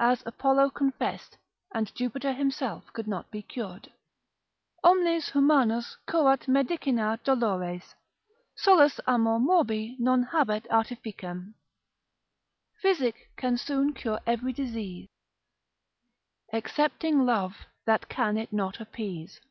As Apollo confessed, and Jupiter himself could not be cured. Omnes humanos curat medicina dolores, Solus amor morbi non habet artificem. Physic can soon cure every disease, Excepting love that can it not appease.